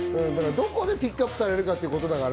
どこでピックアップされるかっていうことだから。